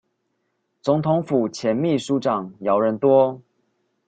總統府前副祕書長姚人多